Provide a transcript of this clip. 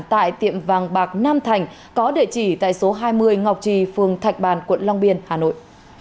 tại tiệm vàng bạc nam thành có địa chỉ tại số hai mươi ngọc trì phường thạch bàn quận long biên hà nội